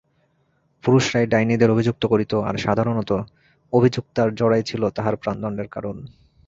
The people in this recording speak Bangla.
পুরুষরাই ডাইনীদের অভিযুক্ত করিত, আর সাধারণত অভিযুক্তার জরাই ছিল তাহার প্রাণদণ্ডের কারণ।